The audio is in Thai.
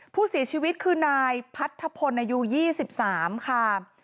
ผู้เสียชีวิตคือนายพัทธพลอายุ๒๓ค่ะ